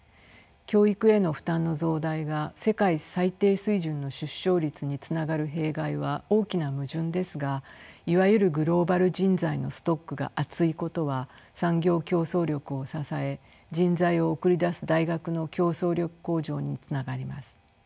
教育への負担の増大が世界最低水準の出生率につながる弊害は大きな矛盾ですがいわゆるグローバル人材のストックが厚いことは産業競争力を支え人材を送り出す大学の競争力向上につながります。